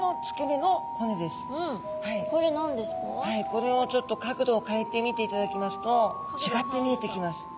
これをちょっと角度を変えて見ていただきますとちがって見えてきます。